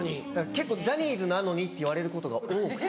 結構「ジャニーズなのに」って言われることが多くて。